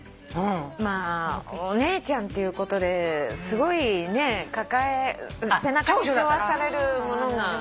まあお姉ちゃんっていうことですごい背中にしょわされるものが。